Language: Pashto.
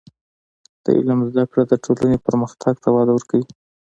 د علم زده کړه د ټولنې پرمختګ ته وده ورکوي.